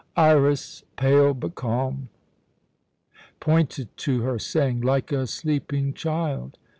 Iras, pale but calm, pointed to her, saying "Like a sleeping child.